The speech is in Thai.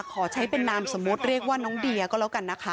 ขอใช้เป็นนามสมมุติเรียกว่าน้องเดียก็แล้วกันนะคะ